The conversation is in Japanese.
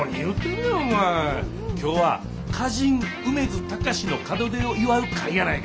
今日は歌人梅津貴司の門出を祝う会やないか！